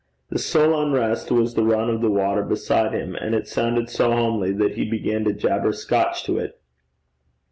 The sole unrest was the run of the water beside him, and it sounded so homely, that he began to jabber Scotch to it.